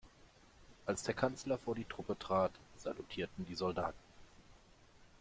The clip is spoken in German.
Als der Kanzler vor die Truppe trat, salutierten die Soldaten.